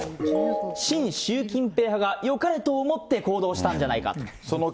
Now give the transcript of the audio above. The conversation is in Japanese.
親習近平派がよかれと思って行動したんじゃないか。